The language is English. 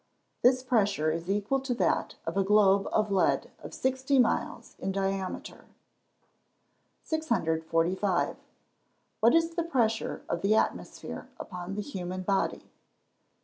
This pressure is equal to that of a globe of lead of sixty miles in diameter. 645. _What is the pressure of the atmosphere upon the human body?